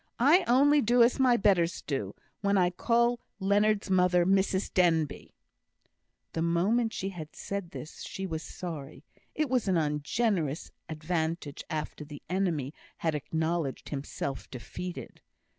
I only do as my betters do, when I call Leonard's mother Mrs Denbigh." The moment she had said this she was sorry; it was an ungenerous advantage after the enemy had acknowledged himself defeated.